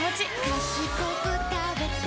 かしこく食べたいうわ！